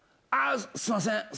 あすいません。